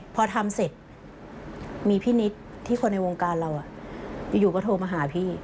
พอทำเสร็จมีพี่นิดที่คนในวงการเราอยู่ก็โทรมาหาพี่